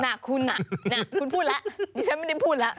น่ะคุณน่ะน่ะคุณพูดแล้วนี่ฉันไม่ได้พูดแล้ว